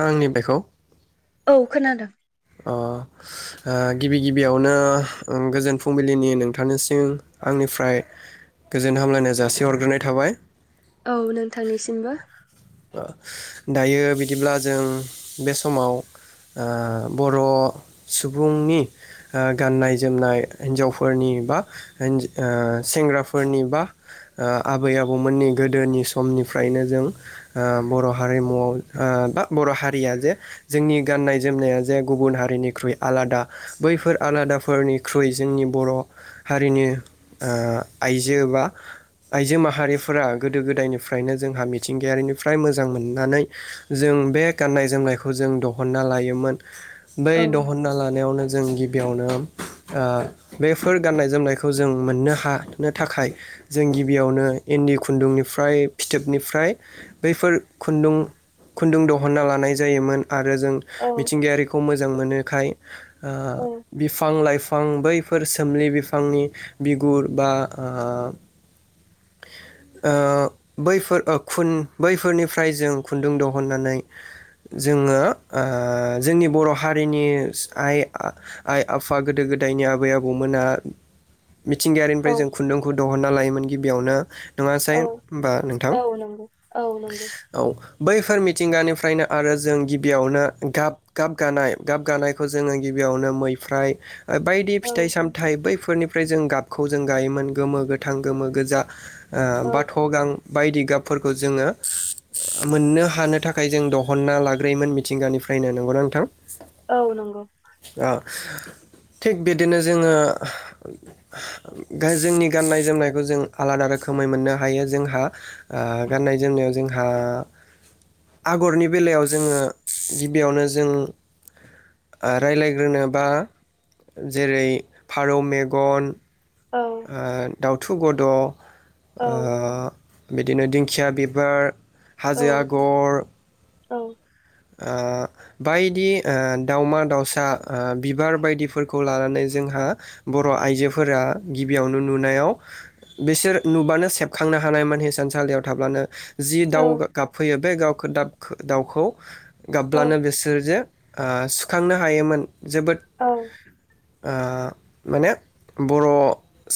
आंनि बाइकआव औ खोनादों अ ओ गिबि गिबियावनो ओ गोजोन फुंबिलिनि नोंथांनिसिम आंनिफ्राय गोजोन हामलायनाय जासिहरग्रोनाय थाबाय औ नोंथांनिसिमबो दायो बिदिब्ला जों बे समाव बर' सुबुंनि ओ गाननाय जोमनाय हिन्जावफोरनि बा सेंग्राफोरनि बा ओ आबै आबौमोननि गोदोनि समनिफ्रायनो जों ओ बर' हारिमुआव ओ बा बर' हारिया जे जोंनि गाननाय जोमनाया जे गुबुन हारिनिख्रुइ आलादा बैफोर आलादाफोरनिख्रुइ जोंनि बर' हारिनि ओ आइजो बा आइजो माहारिफोरा गोदो गोदायनिफ्रायनो जोंहा मिथिंगायारिनिफ्राय मोजां मोननानै जों बे गाननाय जोमनायखौ जों दहनना लायोमोन बै औ दहनना लानायावनो जों गि बियावनो ओ बेफोर गान्नाय जोमनायखौ जों मोननो हानो थाखाय जों गिबियावनो इन्दि खुन्दुंनिफ्राय फिथोबनिफ्राय बैफोर खुन्दुं खुन्दुं दिहनना लानाय जायोमोन आरो जों औ मिथिंगायारि मोनोखाय ओ औ बिफां लाइफ फां बैफोर सोमलि बिफांनि बिगुर बा ओ ओ बैफोर ओ खुन बैफोरनिफ्राय जों खुनदुं दहननानै जोङो ओ जोंनि बर' हारिनि आइ आइ आफा गोदो गोदायनि आबै आबौमोना औ मिथिंगायारिनिफ्राय जों खुन्दुंखौ दिहुनना लायोमोन गिबियावनो नङासै औ होमबा नोंथां औ नंगौ औ नंगौ औ। बैफोर मिथिंगानिफ्रायनो आरो जों गिबियावनो गाब गाब गानाय गाब गानायखौ जोङो गिबियावनो मैफ्राय बायदि औ फिथाइ सामथाइ बैफोरनिफ्राय जों गाब खौ जों गायोमोन गोमो गोथां गोमो गोजा ओ औ बाथ' गां बायदि गाबफोरखौ जोङो मोननो हानो थाखाय जों दहनना लाग्रायोमोन मिथिंगानिफ्रायनो नंगौना नो थां? औ नंगौ। थिग बिदिनो जोङो जोंनि गाननाय जोमनायखौ जों आलादा रोखोमै मोननो हायो जोंहा ओ गाननाय जोमनायाव जोंहा आगरनि बेलायाव जोङो गिबियावनो जों ओ रायलायग्रोनोबा जेरै फारौ मेगन औ ओ दाउ थु गद' ओ औ बिदिनो दिंखिया बिबार औ हाजो आगर औ। ओ बायदि ओ दाउमादाउसा ओ बिबार बायदिफोरखौ लानानै जोंहा बर' आइजोफोरा गिबियावनो नुनायाव बिसोर नुबानो सेबखांनो हानायमोन हिसान सालियाव थाब्लानो जि औ दाउ गाब गाबफैयो बे गावखो दाबखो दाउखौ [inaudible] गाबब्लानो बिसोर जे ओ सुखांनो हायोमोन। जोबोद औ ओ माने बर'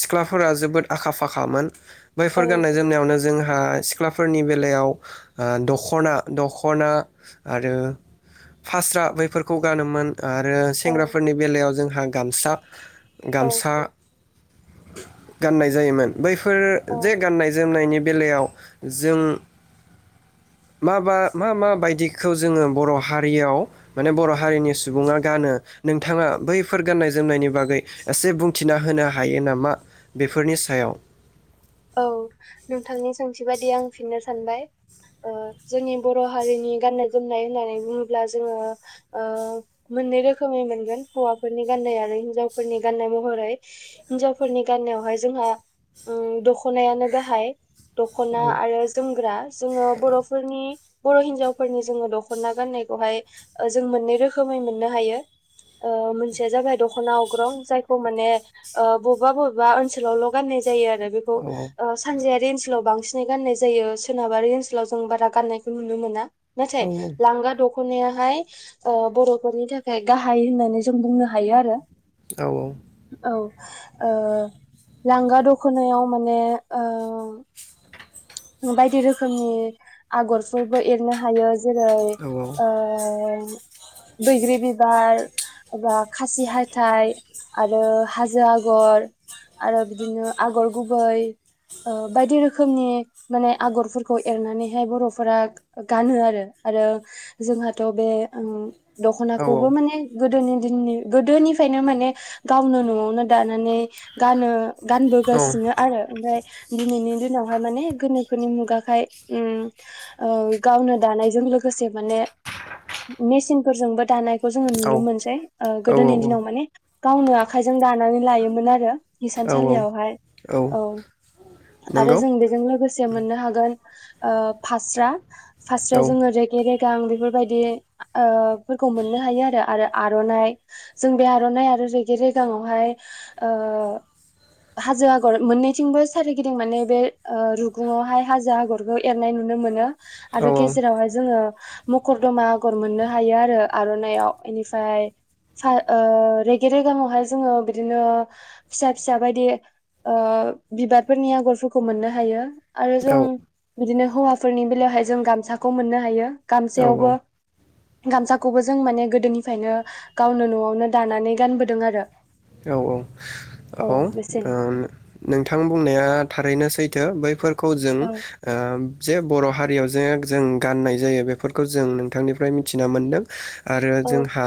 सिख्लाफोरा जोबोद आखा-फाखामोन। बैफोर गाननाय जोमनायावनो ज जोंहा सिख्लाफोरनि बेलायाव ओ दख'ना दख'ना आरो फास्रा बैफोरखौ गानोमोन। आरो सेंग्राफोरनि बेलायाव जों हा गामसा औ गामसा गाननाय जायोमोन। बैफोर औ जे गाननाय जोमनायनि बेलायाव जों माबा मा मा बायदि खौ जोङो बर' हारियाव माने बर' हारिनि सुबुङा गानो नोंथाङा बैफोर गान्नाय जोमनायनि बागै एसे बुंथिना होनो हायो नामा बेफोरनि सायाव? औ नोंथांनि सोंथि बादि आं फिननो सानबाय। ओ जोंनि बर' हारिनि गान्नाय जोमनाय होननानै बुङोब्ला जोङो ओ मोननै रोखोमै मोनगोन हौवाफोरनि गान्नाय आरो हिनजावफोरनि गाननाय महरै। हिनजावफोरनि गाननायावहाय जोंहा उम दख' ख'नायानो गाहाइ। दख'ना औ आरो जोमग्रा जोङो बर'फोरनि बर' हिन्जावफोरनि जोङो दख'ना गाननायखौहाय ओ जों मोननै रोखोमै मोननो हायो। ओ मोनसेया जाबाय दख'ना अग्रं जायखौ माने ओ बबेबा बबेबा ओनसोलावल' गाननाय जायो आरो बे ओ औ सानजायार बे ओनसोलाव बांसिनै गाननाय जायो। सोनाबारि ओनसोलाव जों बारा गाननायखौ नुनो मोना। औ नाथाय लांगा दख' दख'नायाहाय अ बर'फोरनि थाखाय गाहाय होननानै जों बुंनो हायो आरो। औ औ। औ ओ लांगा दखनायाव माने ओ बायदि रोखोमनि आगरफोरबो एरनो हायो। जेरै औ ओ बैग्रि बिबार बा खासि हाथाय आरो हाजो आगर आरो बिदिनो आगर गुबै ओ बायदि रोखोमनि माने आगरफोरखौ एरनानैहाय बर'फोरा गानो आरो आरो जोंहाथ' बे ओ औ दख'नाखौबो माने गो गोदोनि दिननि गोदोनिफ्रायनो माने गावनो न'आवनो दानानै गानो। गानबोगासिनो आरो ओमफ्राय दिनैनि दिनावहाय माने गोनोखोनि मुगाखाय ओम ओ गावनो दानायजों लोगोसे माने मेसिन फोरजोंबो दानाय खौ जोङो नुनो मोनसे ओ औ गोदोनि दिनाव माने गावनो आखाइजों दानानै लायोमोन आरो औ हिसानसालियावहाय औ आरो नंगौ जों बेजों लोगोसे मोननो हागोन। ओ फास्रा औ फास्रायाव जों रेगे रेग दा आं बिफोरबायदि ओ फोरखौमोननो हायो आरो आर'नाय जों बे आर'नाय आरो रेगे रेगांयाव हाय ओ हाजो आगर मोननैथिंबो सारिगिदिं माने बे ओ रु रुङावहाय हाजो आगरखौ एरनाय नुनो मोनो। औ आरो गेजेरावहाय जोङो मखरदमा आगर मोननो हायो आरो आर'नायाव इनिफ्राय सा ओ रेगे रेगांवहाय जोङो बिदिनो फिसा फिसा बायदि ओ बिबारफोरनि आगरफोरखौ मोननो हायो आरो जों औ बिदिनो हौवाफोरनि बेलायावहाय जों गामसाखौ मोननो हायो। औ गामसायावबो गामसाखौबो जों माने गोदोनिफ्रायनो गावनो न'आवनो दानानै गानबोदों आरो। औ औ औ ओ नोंथां बुंनाया थारैनो सैथो बै खौ जों ओ औ जे बर' हारियाव जे जों गाननाय जायो बेफोरखौ जों नोंथांनिफ्राय मिथिना मोन्दों आरो औ जोंहा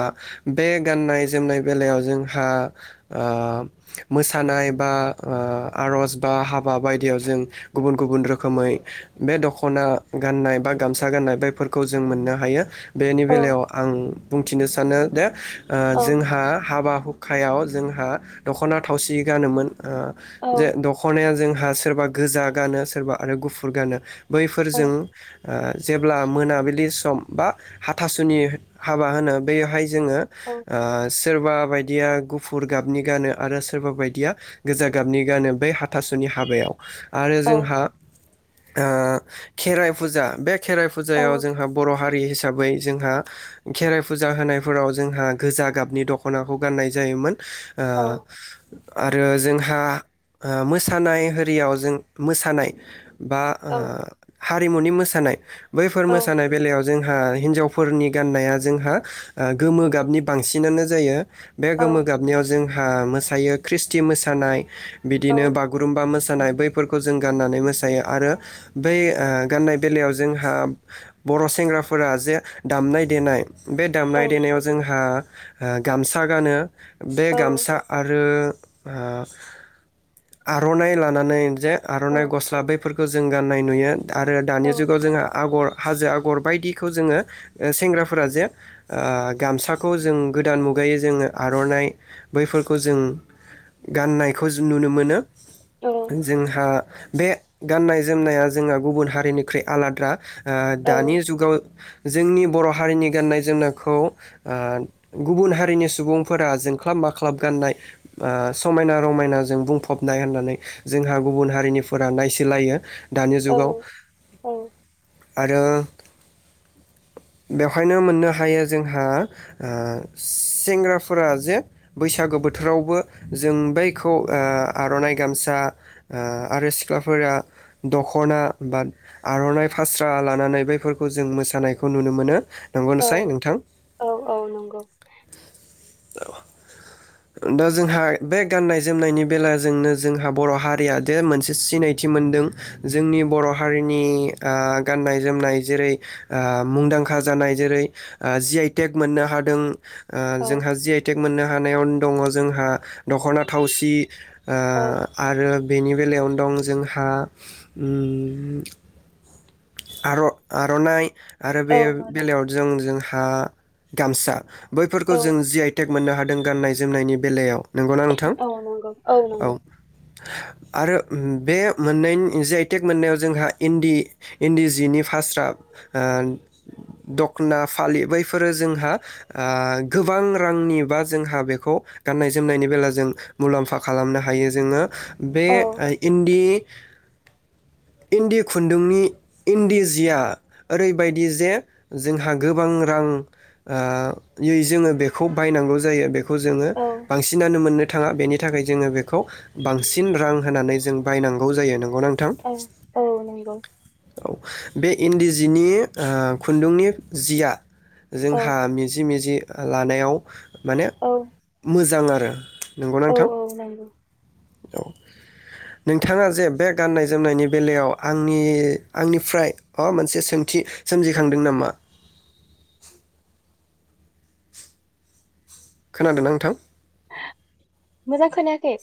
बे गाननाय जोमनाय बेलायाव जोंहा ओ मोसानाय बा ओ आर'ज बा हाबा बायदियाव जों गुबुन गुबुन रोखोमै बे दख'ना गाननाय बा गामसा गाननाय बेफोरखौ जों मोननो हायो। बेनि औ बेलायाव आं बुंथिनो सानो दे ओ औ जोंहा हाबा हुखायाव जोंहा दख'ना थावसि गानोमोन औ जे दख'नाया जों हो सोरबा गोजा गानो सोरबा आरो गुफुर गानो औ बैफोरजों जेब्ला मोनाबिलि सम बा हाथासुनि हाबा होनो बेहाय जोङो औ सोरबा बायदिया गु फुर गाबनि गानो आरो सोरबा बायदिया गोजा गाबनि गानो बै हाथ थासुनि हाबायाव आरो औ जोंहा ओ खेराइ फुजा बे खेराइ औ फुजायाव जोंहा बर' हारि हिसाबै जोंहा खेराइ फुजा होनायफोराव जोंहा गोजा गाबनि दख'नाखौ गाननाय जायोमोन। ओ औ आरो जोंहा मोसानाय होरियाव जों मोसानाय बा औ हारिमुनि मोसानाय बैफोर मोसानाय बेलायाव जोंहा हिनजावफोरनि गाननाया जोंहा गोमो गाबनि बांसिनानो जायो बे औ गोमो गाबनायाव जोंहा मोसायो ख्रिस्टि मोसानाय औ बिदिनो बागुरुम्बा मोसा मोसानाय बैफोरखौ जों गाननानै मोसायो आरो बै गाननाय बेलायाव जोंहा बर' सेंग्राफोरा जे दामनाय देनाय बे दामनाय देनायाव जोंहा गामसा गानो बे औ गामसा आरो आर'नाइ लानानै जे आर'नाइ गस्ला बैफोर खौ जों गाननाय नुयो। आरो दानि जुगाव जोंहा आगर हाजो आगर बायदिखौ जोङो सेंग्राफोरा जे ओ गामसाखौ जों गोदान मुगायै जोङो आर'नाइ बैफोरखौ जों गाननायखौ नुनो मोनो। जोंहा बे गाननाय जोमनाया जोंहा गुबुन हारिनिख्रुइ आलादा। दा दानि जुगाव जोंनि बर' हारिनि गाननाय जोमनायखौ उह गुबुन हारिनि सुबुंफोरा जों ख्लाब माख्लाब गाननाय बा समायना रमायनाजों बुंफबनाय होननानै जोंहा गुबुन हारिनिफोरा नायसोलायो। दानि जुगाव। औ आरो बेवहायनो मोननो हायो जोंहा सेंग्राफोरा जे बैसागो बोथोरावबो जों बैखौ ओ आर'नाइ गामसा ओ आरो सिख्लाफोरा दख'ना बा आर'नाइ फास्रा लानानै बैफोरखौ जों मोसानायखौ नुनो मोनो । औ औ औ नंगौ। दा जोंहा बे गाननाय जोमनायनि बेलाजोंनो जोंहा बर' हारिया दे मोनसे सिनायथि मोनदों जोंनि बर' हारिनि ओ गाननाय जोमनाय जेरै ओ मुंदांखा जानाय जेरै जि आइ टेक मोननो हादों ओ औ जोंहा जि आइ टेक मोननो हानायाव दङ जोंहा दख'ना थावसि ओ औ आरो बेनि बेलायावनो दं जोंहा उम आर'-आर'नाइ आरो औ बे बेलायाव जों जों हा गामसा बैफोर औ खौ जों जि आइ टेक मोननो हादों गाननाय जोमनायनि बेलायाव। नोंगौ ना नोंथां? नंगौ औ नंगौ आरो उम बे मोननायनि जि आइ टेक मोननाआव जोंहा इन्दि इन्दि जिनि फास्रा ओ दख'ना फालि बैफोरो जोंहा ओ गोबां रांनिबा जोंहा बेखौ गाननाय जोमनायनि बेला जों मुलाम्फा खालामनो हायो जोङो। बे औ ओ इन्दि इन्दि खुन्दुंनि इन्दि जिया ओरैबायदि जे जोंहा गोबां रां ओ युज जोङो बेखौ बायनांगौ जायो बे खौ जोङो औ बांसिनानो मोननो था थाङा बेनि थाखाय जोङो बे खौ बांसिन रां होनानै जों बायनांगौ जायो नोंगौना नोंथां? औ नंगौ बे इन्दि जिनि ओ खुन्दुंनि जिया औ जोंहा मिजि मिजि लानायाव माने औ मोजां आ रो नोंगौ ना औ ओनथां। नंगौ औ नोंथाङा जे बे गाननाय जोमनायनि बेलायाव आंनि आंनिफ्राय माबा मोनसे सोंथि सोमजिखांदों नामा? खोनादों ना ओंथां? मोजां खोनायाखै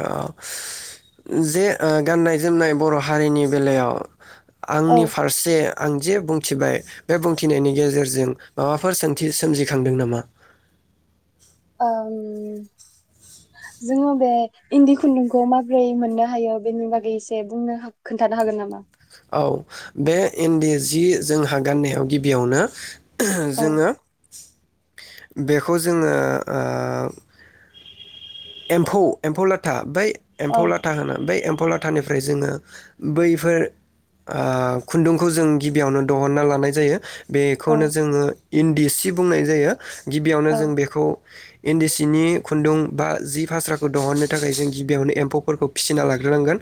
आ जे ओ गाननाय जोमनाय बर' हारिनि बेलायाव औ आंनि फारसे। आं जे बुंथिबाय बे बुंथिनायनि गेजेरजों माबाफोर सोंथि सोमजिखांदों नामा आं जोङो बे इन्दि खुन्दुंखौ माबोरै मोननो हायो बेनि बागै एसे बुंनो खोन्थानो हागोन नामा औ बे इन्दि जि जोंहा गाननायाव गिबियावनो औ जोङो बेखौ जोङो आ एम्फौ एम्फौ लाथा बाय औ एम्फौ लाथा होनो बै एम फौ लाथानिफ्राय जोङो बैफोर आ खुन्दुंखौ जों गिबियावनो दहनना लानाय जायो। बेखौनो औ जोङो इन्दि सि बुंनाय जायो। गिबियावनो जों औ बेखौ इन्दि सिनि खुन्दुं बा जि फास्राखौ दहननो थाखाय जों गिबियावनो एम्फौफोरखौ फिसिना लाग्रोनांगोन।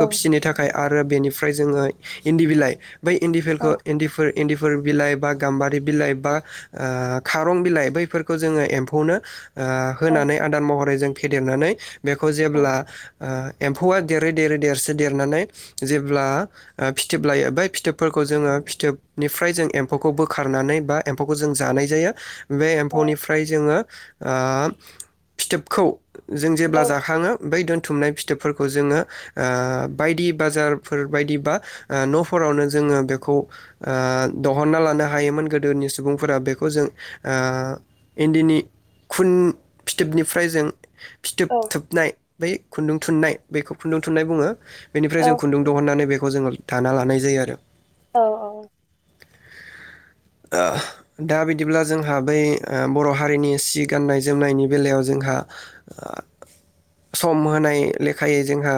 औ फिसिनो थाखाय आरो बेनि फ्राय जोङो इन्दि बिलाइ बै औ इन्दिफोरखो इन्दिफोर इन्दिफोर बिलाइ बा गाम्बारि बिलाइ बा आ खारं बिलाइ बैफोरखौ जोङो एम्फौनो आ औ होनानै आदार मह जों फेेदेरनानै बेखौ औ जेब्ला ओ आ एम्फौआ देरै देरै देरसो देरनानै जेब्ला फिथोब लायो बै फिथोबफोरखौ जोङो फिथोबनिफ्राय जों एम्फौखौ बोखारनानै बा एम्फौखौ जों जानाय जायो। बे औ एम्फौनिफ्राय जोङो। आ फिथोब। खौ। जों औ जेब्ला जाख‌ाङो बै दोनथुमनाय फि थोब फोरखौ जोङो आ बायदि बाजारफोर बायदिबा न'फोरावनो जोङो बेखौ आ दहनना लानो हायोमोन गोदोनि सुबुंफोरा बेखौ जों इन्दिनि खुन फिथोबनि फ्राय जों फिथोब औ थोबनाय बै खुन्दुं थुननाय बेखौ खुन्दुं थुननाय बुङो। बेनिफ्राय औ जों खुन्दुं दहननानै बे खौ जोङो दाना लानाय जायो आरो। औ औ। ओ दा बिदिब्ला जोंहा बै ओ बर' हारिनि सि गाननाय जोमनायनि बेलायाव । जोंहा सम होनाय लेखायै जोंहा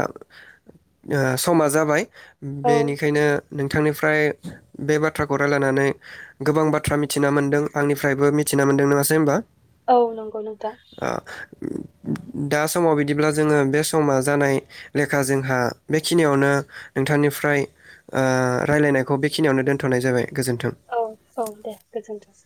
ओ समा जाबाय। औ बेनिखायनो। नोंथांनिफ्राय बे बाथ्राखौ रायलायनानै। गोबां बाथ्रा मिथिना मोनदों आंनि निफ्रायबो मिथिना मोनदों नङासै होमबा औ नंगौ नोंथां दा समाव बिदिब्ला जोङो बे समा जानाय लेखा जोंहा बेखिनियावनो नोंथांनिफ्राय ओ रायलायनायखौ बेखिनियावनो दोनथ'नाय जाबाय गोजोन्थों। औ औ दे गोजोनथों